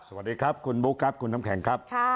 สวัสดีครับคุณบุ๊คครับคุณน้ำแข็งครับ